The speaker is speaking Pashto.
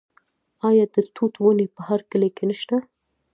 آیا د توت ونې په هر کلي کې نشته؟